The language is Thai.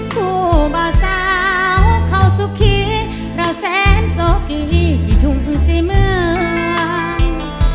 ผู้เบาสาวเขาสุขีราวแสนโซกิที่ถุงสิเมือง